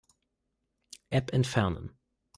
App entfernen.